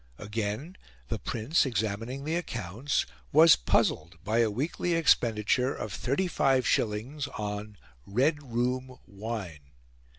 Again, the Prince, examining the accounts, was puzzled by a weekly expenditure of thirty five shillings on "Red Room Wine."